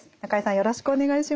よろしくお願いします。